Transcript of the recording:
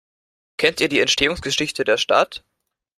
Kennt ihr die Entstehungsgeschichte der Stadt?